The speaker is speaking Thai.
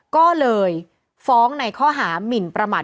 ก็เลยฟ้องในข้อหามินประมาท